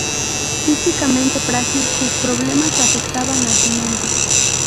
Físicamente frágil, sus problemas afectaban a su mente.